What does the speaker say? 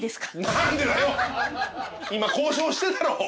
今交渉してたろ！